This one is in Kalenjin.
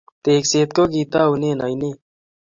Tekset kokitounee ainet